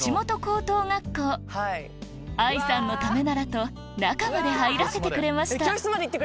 愛さんのためならと中まで入らせてくれました